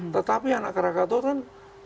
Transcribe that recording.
tetapi anak krakatau kan